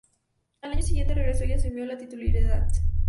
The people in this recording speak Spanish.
Al año siguiente regresó y asumió la titularidad.